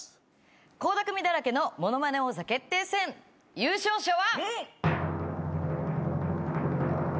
倖田來未だらけのものまね王座決定戦優勝者は。